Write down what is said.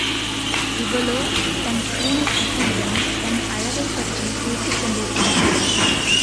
இவளோ தன் பூனைக் குட்டியிடம் தன் அழகைப் பற்றிப் பேசிக்கொண்டிருப்பாள்.